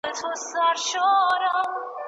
د چاپیریال ککړتیا څه پایلي لري؟